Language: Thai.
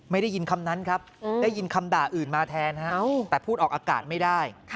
ได้ยินคำนั้นครับได้ยินคำด่าอื่นมาแทนแต่พูดออกอากาศไม่ได้